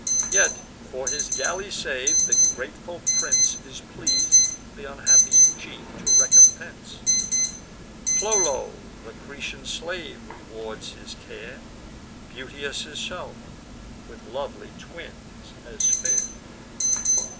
Yet, for his galley sav'd, the grateful prince Is pleas'd th' unhappy chief to recompense. Pholoe, the Cretan slave, rewards his care, Beauteous herself, with lovely twins as fair.